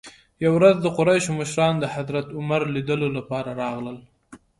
یوې ورځ د قریشو مشران د حضرت عمر لیدلو لپاره راغلل.